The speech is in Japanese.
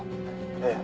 ええ。